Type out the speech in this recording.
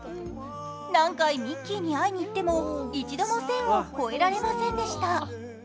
何回ミッキーに会いにいっても一度も線を越えられませんでした。